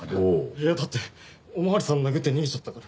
いやだってお巡りさんを殴って逃げちゃったから。